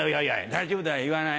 「大丈夫だよ言わない」。